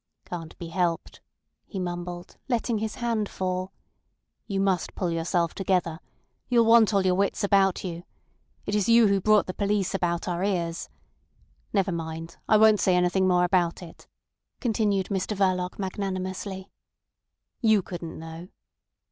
"Can't be helped," he mumbled, letting his hand fall. "You must pull yourself together. You'll want all your wits about you. It is you who brought the police about our ears. Never mind, I won't say anything more about it," continued Mr Verloc magnanimously. "You couldn't know."